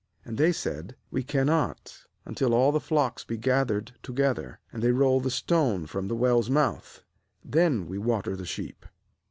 8And they said: 'We cannot, until all the flocks be gathered to gether, and they roll the stone from the well's mouth; then we water the sheep.'